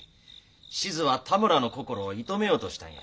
志津は多村の心を射止めようとしたんや。